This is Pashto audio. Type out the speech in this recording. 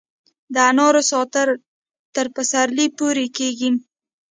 د انارو ساتل تر پسرلي پورې کیږي؟